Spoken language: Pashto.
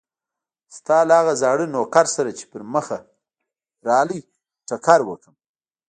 ستا له هغه زاړه نوکر سره چې پر مخه راغی ټکر وکړم.